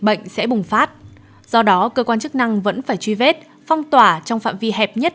bệnh sẽ bùng phát do đó cơ quan chức năng vẫn phải truy vết phong tỏa trong phạm vi hẹp nhất